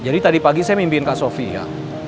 jadi tadi pagi saya mimpiin kak sofia